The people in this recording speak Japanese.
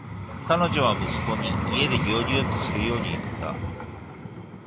彼女は息子に家で行儀よくするように言った。